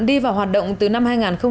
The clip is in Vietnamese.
đi vào hoạt động từ năm hai nghìn hai